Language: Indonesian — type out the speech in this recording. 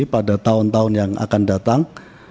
pada tahun tahun yang akan datang